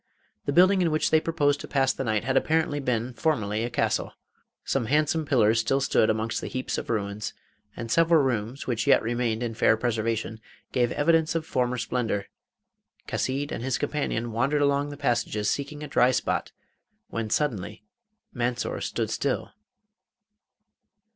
The building in which they proposed to pass the night had apparently been formerly a castle. Some handsome pillars still stood amongst the heaps of ruins, and several rooms, which yet remained in fair preservation, gave evidence of former splendour. Chasid and his companion wandered along the passages seeking a dry spot, when suddenly Mansor stood still.